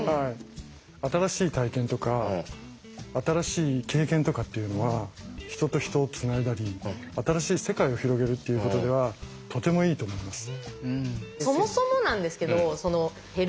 新しい体験とか新しい経験とかっていうのは人と人をつないだり新しい世界を広げるっていうことではとてもいいと思います。